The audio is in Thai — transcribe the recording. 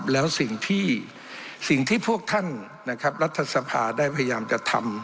แล้วสิ่งที่พวกท่านรัฐสภาได้พยายามจะทำ